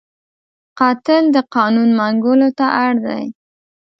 قاتل د قانون منګولو ته اړ دی